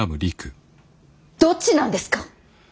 どっちなんですか！